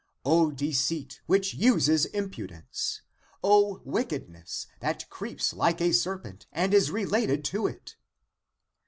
O deceit which uses impudence! O wickedness that creeps like a ser pent and is related to it